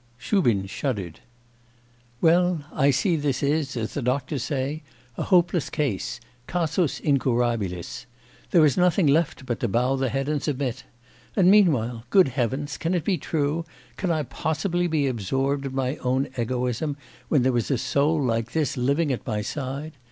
Shubin shuddered. 'Well, I see this is, as the doctors say, a hopeless case, casus incurabilis. There is nothing left but to bow the head and submit. And meanwhile, good Heavens, can it be true, can I possibly be absorbed in my own egoism when there is a soul like this living at my side?